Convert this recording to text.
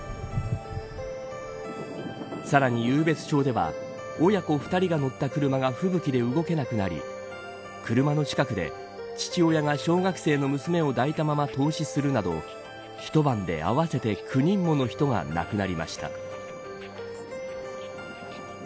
さらに、湧別町では親子２人が乗った車が吹雪で動けなくなり車の近くで、父親が小学生の娘を抱いたまま凍死するなど一晩で合わせて９人もの人が亡くなりました。